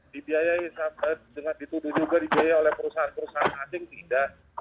dibiayai dengan dituduh juga dibiayai oleh perusahaan perusahaan asing tidak